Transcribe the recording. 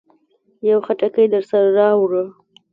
يو خټکی درسره راوړه.